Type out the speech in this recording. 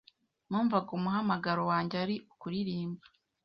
numvaga umuhamagaro wange ari ukuririmba.